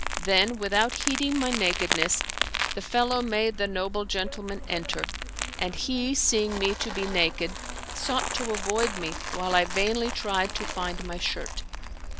Then, without heeding my nakedness, the fellow made the noble gentleman enter, and he seeing me to be naked, sought to avoid me while I vainly tried to find my shirt.